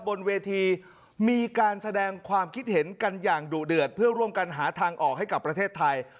บนเวทีมีการแสดงความคิดเห็นกันอย่างดุเดือดเพื่อร่วมกันหาทางออกให้กับประเทศไทย